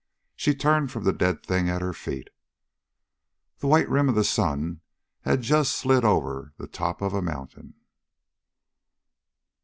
She turned from the dead thing at her feet. The white rim of the sun had just slid over the top of a mountain.